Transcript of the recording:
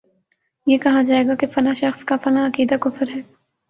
یہ کہا جائے گا کہ فلاں شخص کا فلاں عقیدہ کفر ہے